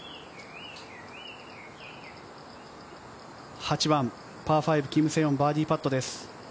８番、キム・セヨン、バーディーパットです。